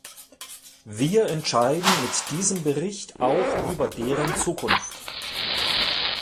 Wir entscheiden mit diesem Bericht auch über deren Zukunft.